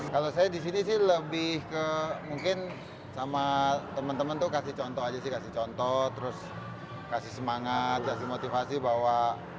kalau saya di sini sih lebih ke mungkin sama teman teman tuh kasih contoh aja sih kasih contoh terus kasih semangat kasih motivasi bahwa